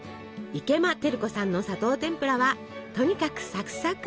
池間照子さんの砂糖てんぷらはとにかくサクサク。